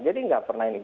jadi nggak pernah ini